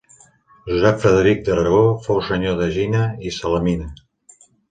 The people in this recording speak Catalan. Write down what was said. Joan Frederic d'Aragó fou senyor d'Egina i Salamina.